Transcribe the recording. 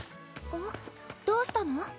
あっどうしたの？